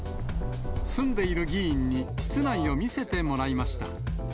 住んでいる議員に室内を見せてもらいました。